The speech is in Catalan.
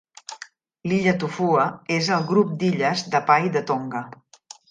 L'illa Tofua és al grup d'illes Ha'apai de Tonga.